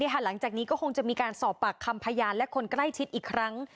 หลังจากนี้ก็คงจะมีการสอบปากคำพยานและคนใกล้ชิดอีกครั้ง